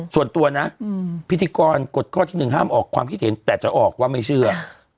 ส่วนตัวนะพิธีกรกฎข้อที่หนึ่งห้ามออกความคิดเห็นแต่จะออกว่าไม่เชื่อ